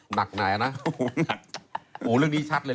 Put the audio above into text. หนักไหนนะโอ้โหเรื่องนี้ชัดเลยแล้ว